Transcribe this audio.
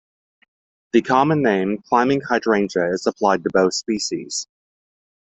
The common name Climbing hydrangea is applied to both species.